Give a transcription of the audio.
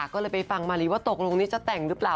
ก็เลยไปฟังมารีว่าตกลงนี้จะแต่งหรือเปล่า